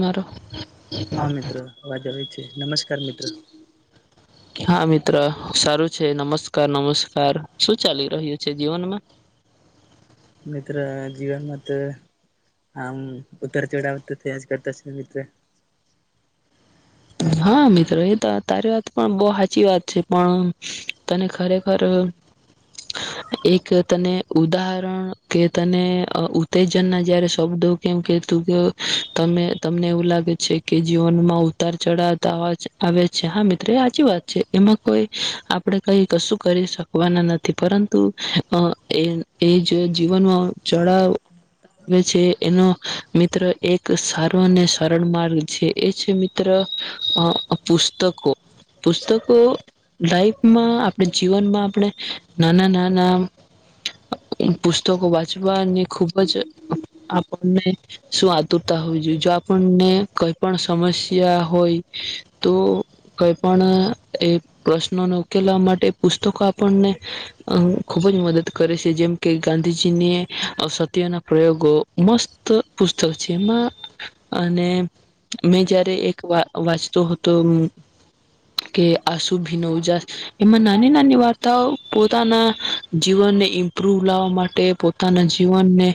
મારો હા મિત્ર અવાજ આવે છે. નમસ્કાર મિત્ર. હા મિત્ર, સારું છે. નમસ્કાર-નમસ્કાર. શું ચાલી રહ્યું છે જીવનમાં? મિત્ર જીવનમાં તો આમ ઉતર ચઢાવ તો થયા જ કરતા છે મિત્ર. હા મિત્ર એ તો તારી વાત પણ બહું હાચી વાત છે પણ, તને ખરેખર એક તને ઉદાહરણ કે તને અહ ઉત્તેજન ના જયારે શબ્દો કેમ કેતું ક તમે તમને એવું લાગે છે કે જીવનમાં ઉ તાર ચઢાવ તો આવવા જ આવે છે, હા મિત્ર એ હાચી વાત છે. એમાં કોઈ આપણે કઈ કશું કરી શકવાના નથી, પરંતુ એ-એ જ જીવનમાં ચડાવ આવે છે, એનો મિત્ર એક સારો અને સરળ માર્ગ છે. એ છે મ મિત્ર અહ પુસ્તકો. પુસ્તકો લાઈફમાં આપણે જીવનમાં આપણે નાના-નાના પુસ્તકો વાંચવાની ખુબ જ અ આપણને શું આતુરતા હોવી જોઈએ. જો આપણને કઈ પણ સમસ સ્યા હોય, તો કઈ પણ એ પ્રશ્નોને ઉકેલવા માટે પુસ્તકો આપણને અહ ખુબ જ મદદ કરે છે. જેમ કે ગાંધીજીને સત્ય ના પ્રયોગો મસ્ત પુસ્તક છે, એમાં અને મે જયારે એક વા વાંચતો હતો કે હું આસુંભી નો ઉજાસ, એમાં નાની-નાની વાર્તાઓ પોતાના જીવનને ઇમ્પ્રુવ લાવવા માટે, પોતાના જીવનને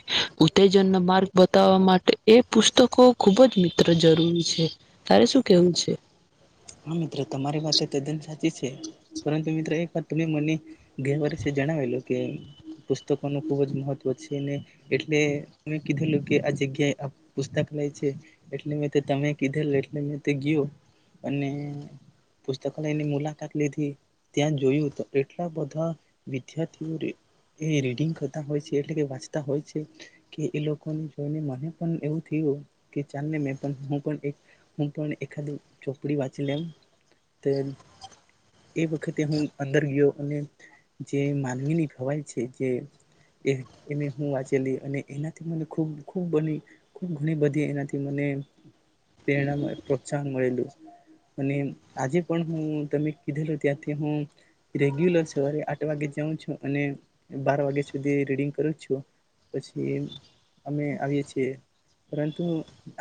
ઉત્તેજનનો માર્ગ બતાવવા માટે એ પુસ્તકો ખુબ જ મિત્ર જરૂરી છે. તારે શું કેવું છે? હા મિત્ર તમારી એય વાત તદ્દન સાચી છે. પરંતુ મિત્ર એક વાર તમે મને ગયે વર્ષે જણાવેલું કે પુસ્તકોનું ખુબ જ મહત્વ છેને, એટલે કીધેલું કે આ જગ્યાએ આ પુસ્તક લે છે એટલે મે તો તમે કીધેલ એટલે મેં તે ગયો અને પુસ્તકાલયની મુલાકાત લીધી. ત્યાં જોયું તો એટલા બધા વિદ્યાર્થીઓ ર એ રીડિંગ કરતા હોય છે એટલે કે વાંચતા હોય છે, કે એ લોકોને જોઈને મને પણ એવું થયું કે ચાલને મે પણ હું પણ એક હું પણ એકાદી [unintelligible] પડી વાંચી લેવ, તે એ વખતે હું અંદર ગયો અને જે માનવીની ભવાઈ છે, જે એ-એ મે હું વાંચેલી અને એનાથી મને ખૂબ-ખૂબ બની ખૂબ ઘણી બધી એનાથી મને પ્રેરણા, પ્રોત્સાહન મળેલું. અને આજે પણ હું તમે કીધેલું ત્યાંથી હું રેગ્યુલર સવારે આઠ વાગે જાઉં છું, અને બાર વાગ્યા સુધી રીડિંગ કરું છું, પછી અમે આવીએ છીએ. પરંતુ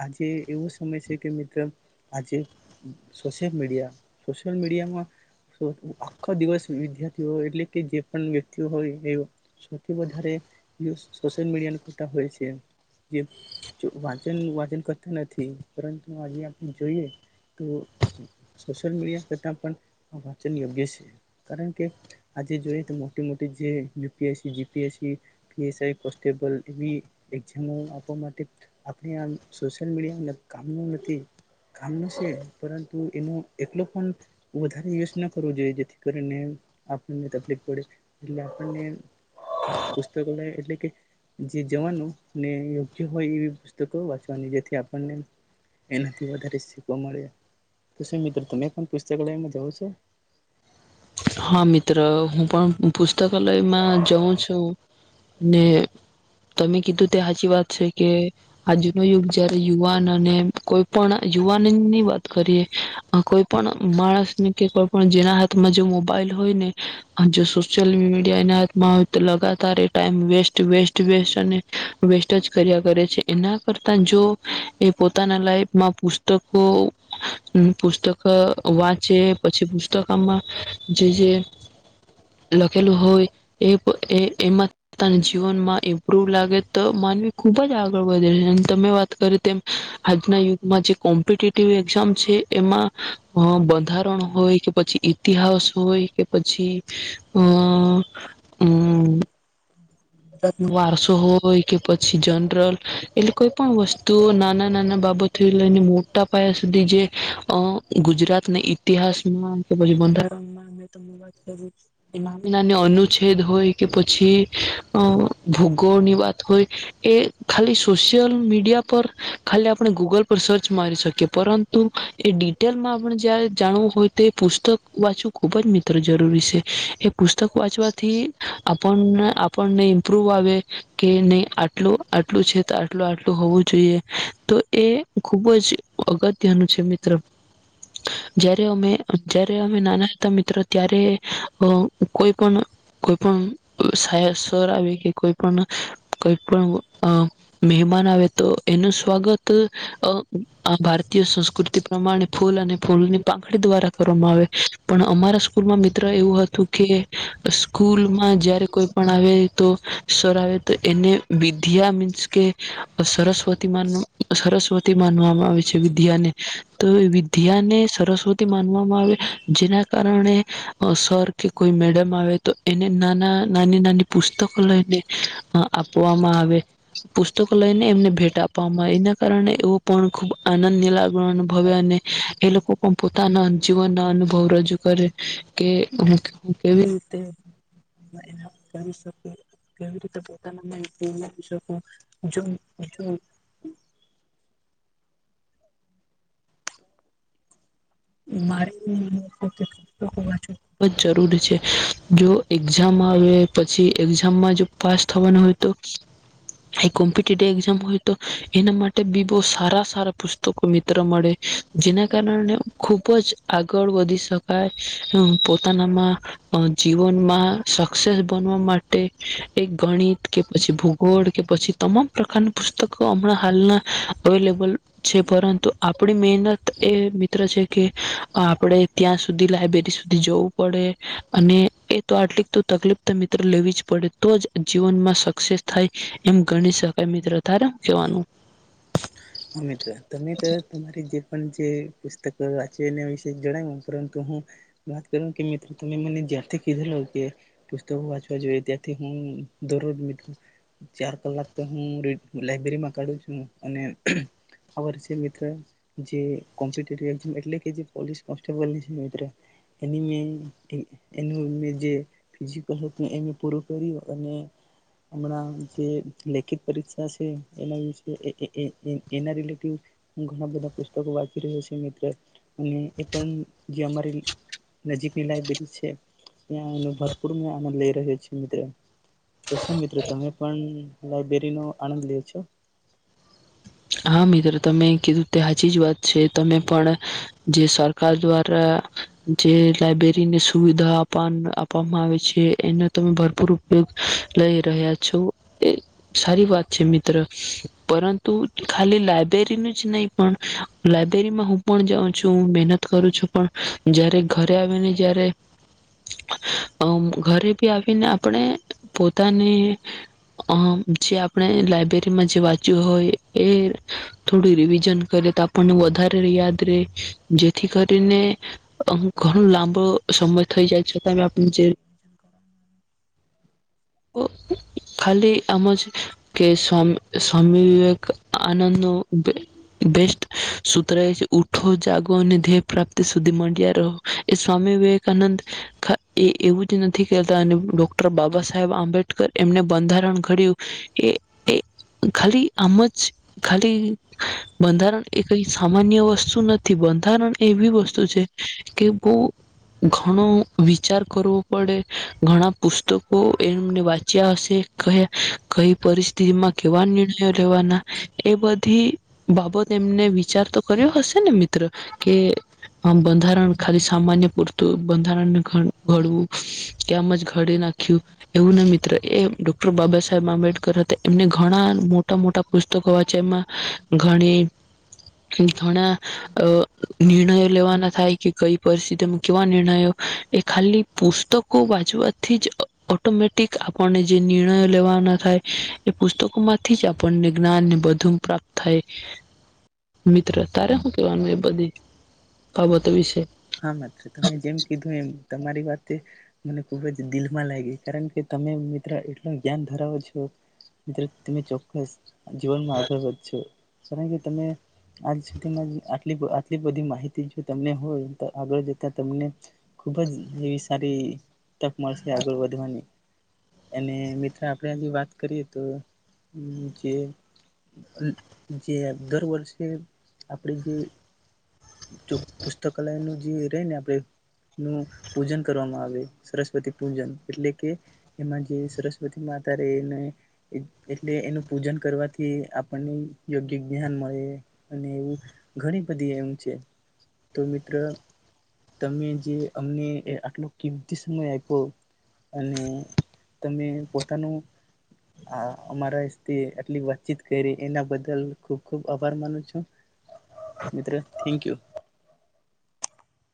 આજે એવો સમય છે કે મિત્ર આજે સોશિયલ મીડિયા, સોશિયલ મીડિયામાં સો આખો દિવસ વિદ્યાર્થીઓ એટલે કે જે પણ વ્યક્તિઓ હોય એ સૌથી વધારે સ સોશિયલ મીડિયાનું કરતા હોય છે, જે જો વાચનને વાચન કરતા નથી, પરંતુ આજે આપણે જોઈએ તો સોશિયલ મીડિયા કરતાં પણ આ વાંચન યોગ્ય છે. કારણ કે આજે જોઈએ તો મોટી-મોટી જે U P S C, G P S C, P S I, constable એવી એક્ઝામો આપવા માટે આપણે આ સોશિયલ મીડિયા ન કામનું નથી, કામનું સે પરંતુ એનો એટલો પણ વધારે યુઝ ન કરવો જોઈએ જેથી કરીને આપણને તકલીફ પડે, એટલે આપણને પુસ્તકો ને એટલે કે જે જવાનું ને યોગ્ય હોય એવી પુસ્તકો વાંચવાની, જેથી આપણને એનાથી વધારે શીખવા મળે. તો શું મિત્ર તમે પણ પુસ્તકાલયમાં જાવ છો? હા મિત્ર હું પણ પુસ્તકાલયમાં જઉં છું ને તમે કીધું તે હાચી વાત છે કે આજનો યુગ જયારે યુવાન અને કોઈ પણ યુવાનની વાત કરીએ કોઈ પણ માણસ કે કોઈ પણ જેના હાથમાં જો મો મોબાઈલ હોય ને જો સોશિયલ મીડિયાના હાથમાં હોય તો લગાતાર એ ટાઈમ વેસ્ટ વેસ્ટ વેસ્ટ અને વેસ્ટ જ કર્યા કરે છે એના કરતા જો એ પોતાના લાઈફમાં પુસ્તકો પુસ્તક વાંચે પછી પુસ્તકમાં જે જે લખેલુ હોય એ એ એમાંતાના જીવનમાં ઇમ્પ્રુવ લાગે તો માનવી ખુબ જ આગળ વધે છે અને તમે વાત કરી તેમ આજના યુગમાં જે કોમ્પિટેટિવ એક્ઝામ છે એમાં બંધારણ હોય કે પછી ઈતિહાસ હોય કે પછી અમ હમ વારશો હોય કે પછી જનરલ એટલે કોઈ પણ વસ્તુ નાના નાના બાબતો લઈને મોટા પાયા સુધી જે ગુજરાત ના ઈતિહાસમાં કે પછી બંધારણમાં નાની નાની અનુચ્છેદ હોય કે પછી અ ભૂગોળની વાત હોય એ ખાલી સોશિયલ મીડિયા પર ખાલી આપણે ગૂગલ પર સર્ચ મારી શકીએ પરંતુ એ ડિટેલમાં આપણે જ જાણવું હોય તે પુસ્તક વાંચવું ખૂબ જ મિત્ર જરૂરી શે એ પુસ્તક વાંચવાથી આપને પણ ન ઇમ્પ્રુવ આવે કે નહી આટલું આટલું છે તો આટલું આટલું હોવું જોઈએ તો એ ખુબ જ અગત્યનું છે મિત્ર જ્યારે અમે જ્યારે અમે નાના હતા મિત્રો ત્યારે કોઈ પણ કોઈ પણ સાયસ આવે કે કોઈ પણ કઈ પણ મહેમાન આવે તો એનું સ્વાગત આ ભારતીય સંસ્કૃતિ પ્રમાણે ફૂલ અને ફૂલની પાખડી દ્વારા કરવામાં આવે પણ અમારા સ્કૂલમાં મિત્ર એવું હતું કે સ્કૂલમાં જયારે કોઈ પણ આવે તો સર આવે તો એને વિદ્યા મીન્સ કે સરસ્વતી માન સરસ્વતી માનવામાં આવે છે વિદ્યાને તો વિદ્યા ને સરસ્વતી માનવામાં આવે જેના કારણે સર કે કોઈ મેડમ આવે તો એને ના ના નાની નાની પુસ્તકો લઈને આપવામાં આવે પુસ્તકો લઈને એમને ભેટ આપવામાં આવે એના કારણે એવો પણ ખૂબ આનંદની લાગવાનું અનુભવે અને એ લોકો પણ પોતાના જીવન ના અનુભવ રજૂ કરે કે કેવી રીતે [unintelligible] મારેવ કે પુસ્તકો વાચવ ખુબ જ જરૂરી છે જો એક્ઝામ આવે પછી એક્ઝામમાં જો પાસ થવાની હોય તો એ કોમ્પિ એક્ઝામ હોય તો એના માટે બી બોહ સારા સારા પુસ્તકો મિત્ર મળે જેના કારણે ખુબ જ આગળ વધી શકાય પોતાનામાં જીવનમાં સક્સેસ બનવા માટે એક ગણિત કે પછી ભૂગોળ કે પછી તમામ પ્રકારના પુસ્તકો હમણાં હાલના અવેલેબલ છે પરંતુ આપણી મહેનત એ મિત્ર છે કે આપડે ત્યાં સુધી લાયબ્રેરી શુધી જવું પડે અને એ તો આટલી તો તકલીફ તો મિત્ર લેવી જ પડે તો જ જીવનમાં સક્સેસ થાય એમ ગણી શકાય મિત્ર તાર હુ કહેવાનું હા મિત્ર તમે તો તમારી જે પણ જે પુસ્તકો વાંચી એના વિશે જણાવ્યું પરંતુ હું વાત કરું કે મિત્ર તમે મને જ્યાથી કીધેલો કે પુસ્તકો વાંચવા જોઈએ ત્યાંથી હું દરરોજ મિત્ર ચાર કલાક તો હું લાયબ્રેરીમાં કાઢું છું અને આ વર્ષે મિત્ર જે કોમ્પિટેટિવ એક્ઝામ એટલે કે જે પોલીસ કોન્સ્ટેબલની છે મિત્ર એની મેં એનું મેં જે ફિઝિકલ હતું એ મેં પૂરું કર્યું અને હમણાં જે લેખિત પરીક્ષા છે એના વિશે એ એના રિલેટેડ ઘણા બધા પુસ્તકો વાંચી રહ્યો છ મિત્ર અને એ પણ જે અમારી નજીકની લાયબ્રેરી છે ત્યાં એ ભરપૂર આનંદ લઈ રહ્યો છે મિત્ર તો શું મિત્ર તમે પણ લાયબરી નો આનંદ લે છો હા મિત્ર તમે કીધું તે હજી જ વાત છે, તમે પણ જે સરકાર દ્વારા જે લાયબ્રેરીને સુવિધા આપ આપવામાં આવે છે એનો તમે ભરપૂર ઉપયોગ લઈ રહ્યા છો, એ સારી વાત છે મિત્ર પરંતુ ખાલી લાયબ્રેરીનું જ નહી, પણ લાયબ્રેરીમાં હું પણ જાઉં છું, મહેનત કરું છું, પણ જયારે ઘરે આવીને જય્યારે ઘરે બી આવીને આપણે પોતાની અ જે આપણે લાયબ્રેરીમાં જે વાંચ્યું હોય એ થોડી રિવિઝન કરે તો આપણને વધારે યાદ રે, જેથી કરીનેમ ઘણો લાંબો સમય થઈ જાય છતા આપ જે ખાલી આમ છે કે સ્મ સ્વામી વિવેક આનંદ નો બેસ્ટ સૂત્ર એ છે ઉઠો, જાગો અને ધ્યેય પ્રાપ્તિ સુધી મડ્યા રહો, એ સ્વામી વિવેકાનંદ એ એવું જ નથી કેતા અને ડોક્ટર બાબા સા હેબ આંબેડકર એમને બંધારણ ઘડ્યું એ એ ખાલી આમ જ ખાલી બંધારણ એ કઈ સામાન્ય વસ્તુ નથી, બંધારણ એવી વસ્તુ છે કે બહુ ઘણો વિચાર કરવો પડે, ઘણા પુસ્તક તો એમને વાંચ્યા હશે કયા કઈ પરિસ્થિતિમાં કેવા નિર્ણયો લેવાના, એ બધી બાબત એમને વિચાર તો કર્યો હશે ને મિત્ર, કે આમ બંધારણ ખાલી સામાન્ય પૂરતું બંધારણને ઘડવ ઘડવું કેમ જ ઘડી ન વું મિત્ર એ ડોક્ટર બાબા સાહેબ આંબેડકર હતા એમને ઘણા મોટા મોટા પુસ્તકો વાંચ્યા એમાં ઘણી ઘણા અ નિર્ણયો લેવાના થાય, કે કઈ પરિસ્થિતિમાં કેવા નિર્ણયો એ ખાલી પુસ્તકો વાંચવાથી જ ઓટોમેટિક આપણને જે નિર્ણયો લેવાના થાય એ પુસ્તકો માંથી જ આપણને જ્ઞાનને બધુ પ્રાપ્ત થાય, મિત્ર તારે શું કવાનું એ બધી બાબતો વિશે? હા મિત્ર તમે જેમ કીધું એમ તમારી વાત મને ખુબ જ દિલમાં લાગી કારણ કે તમે મિત્ર એટલ જ્ઞાન ધરાવો છો, મિત્ર તમે ચોક્કસ જીવનમાં આગળ વધ સો. કારણ કે તમે આજ સુધીમાં આટલી આટલી બધી માહિતી જો તમને હોય આગળ જતા તમને ખુબ જ એવી સારી તક મળશે આગળ વધવાની. અને મિત્ર આપણે આ જે વાત કરીએ તો જે જે દર વર્ષે આપણે જે પુસ્તક કલ નું જે ર ને આપણે નું પૂજન કરવામાં આવે સરસ્વતી પૂજન, એટલે કે એમાં જે સરસ્વતી માતા રેયન એટલે એનું પૂજન કરવાથી આપણને યોગ્ય જ્ઞાન મળે અને એવું ઘણી બધી એવું છે. તો મિત્ર તમે જે અમને આટલો કિંમતી સમય આપો, અને તમે પોતાનું અમારાતે આટલી વાતચીત કરી એના બદલ ખૂબ ખૂબ આભાર માનો છું, મિત્ર થેન્કયુ.